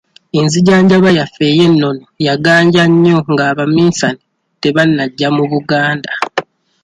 Enzijanjaba yaffe ey'enono yaganja nnyo ng'abaminsane tebanajja mu Buganda.